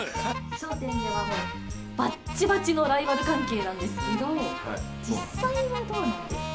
笑点ではライバル関係、ばっちばちのライバル関係なんですけど、実際はどうなんですか？